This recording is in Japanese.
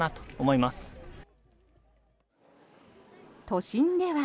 都心では。